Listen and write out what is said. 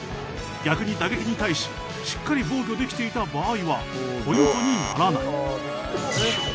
逆に打撃に対ししっかり防御できていた場合はポイントにならない。